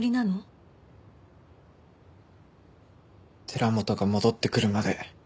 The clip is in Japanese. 寺本が戻ってくるまで。